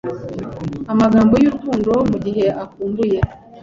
Amagambo y'urukundo mugihe ukumbuye